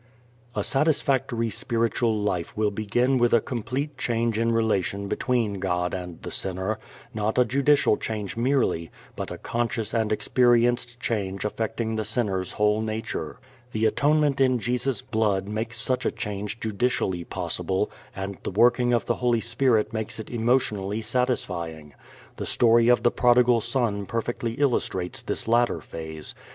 A satisfactory spiritual life will begin with a complete change in relation between God and the sinner; not a judicial change merely, but a conscious and experienced change affecting the sinner's whole nature. The atonement in Jesus' blood makes such a change judicially possible and the working of the Holy Spirit makes it emotionally satisfying. The story of the prodigal son perfectly illustrates this latter phase.